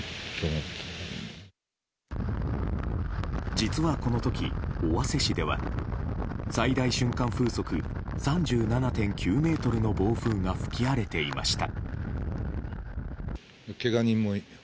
実はこの時、尾鷲市では最大瞬間風速３７．９メートルの暴風が吹き荒れていました。